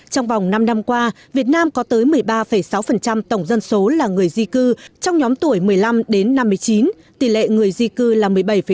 trong vòng năm năm qua việt nam có tới một mươi ba sáu tổng dân số là người di cư trong nhóm tuổi một mươi năm đến năm mươi chín tỷ lệ người di cư là một mươi bảy tám